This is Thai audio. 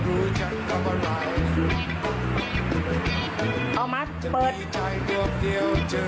กูอย่าท้ายไว้เป็นละห่านห่านห่านก็